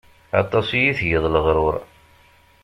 Aṭas i yi-tgiḍ leɣruṛ.